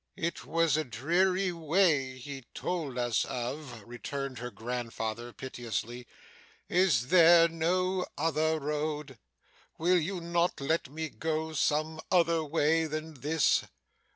'It was a dreary way he told us of,' returned her grandfather, piteously. 'Is there no other road? Will you not let me go some other way than this?